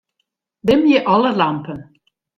Dimje alle lampen.